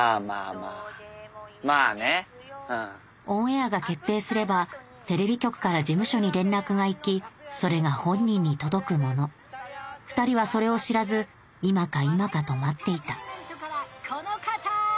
どうでもいいですよオンエアが決定すればテレビ局から事務所に連絡がいきそれが本人に届くもの２人はそれを知らず今か今かと待っていたこの方！